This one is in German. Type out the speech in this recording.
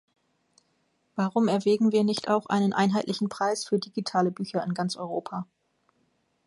Warum erwägen wir nicht auch einen einheitlichen Preis für digitale Bücher in ganz Europa?